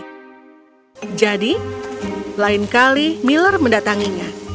lain kali miller mendatanginya